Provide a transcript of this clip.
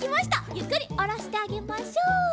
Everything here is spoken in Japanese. ゆっくりおろしてあげましょう。